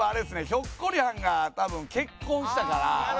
ひょっこりはんが多分結婚したから。